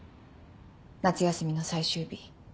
夏休みの最終日。